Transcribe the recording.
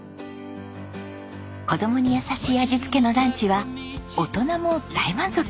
子供に優しい味付けのランチは大人も大満足。